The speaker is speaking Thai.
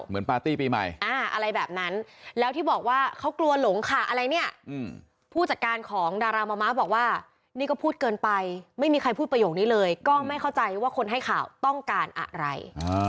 ปาร์ตี้ปีใหม่อะไรแบบนั้นแล้วที่บอกว่าเขากลัวหลงค่ะอะไรเนี่ยผู้จัดการของดาราม้าบอกว่านี่ก็พูดเกินไปไม่มีใครพูดประโยคนี้เลยก็ไม่เข้าใจว่าคนให้ข่าวต้องการอะไร